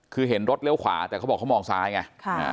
คือเห็นรถเลี้ยวขวาแต่เขาบอกเขามองซ้ายไง